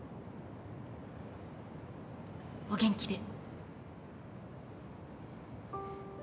お元気で。